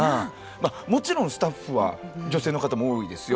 まあもちろんスタッフは女性の方も多いですよ